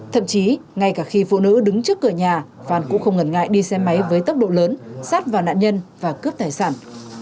thậm chí ngay cả khi phụ nữ đứng trước cửa nhà phan cũng không ngần ngại đi xe máy với tốc độ lớn sát vào nạn nhân và cướp tài sản